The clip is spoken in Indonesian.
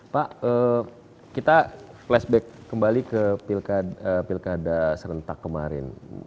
pak kita flashback kembali ke pilkada serentak kemarin